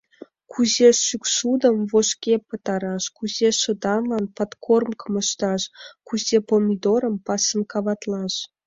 Кузе шӱкшудым вожге пытараш, кузе шыдаҥлан подкормкым ышташ, кузе помидорым пасынковатлаш.